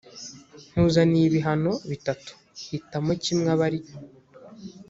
nkuzaniye ibihano bitatu hitamo kimwe abe ari